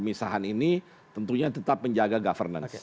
pemisahan ini tentunya tetap menjaga governance